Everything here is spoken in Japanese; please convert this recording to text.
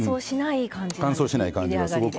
乾燥しない感じになる。